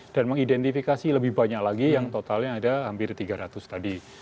dan mengidentifikasi lebih banyak lagi yang totalnya ada hampir tiga ratus tadi